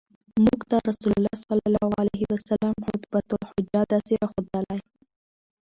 مونږ ته رسول الله صلی الله عليه وسلم خُطْبَةَ الْحَاجَة داسي را ښودلي